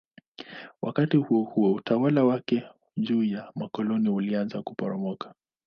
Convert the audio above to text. Wakati huohuo utawala wake juu ya makoloni ulianza kuporomoka.